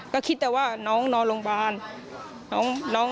ก็คิดแต่ว่าน้องนอนโรงพยาบาล